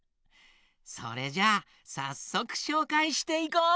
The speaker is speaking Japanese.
それじゃあさっそくしょうかいしていこう！